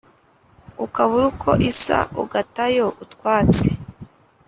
Ukabura ukwo isa ugatayo utwatsi!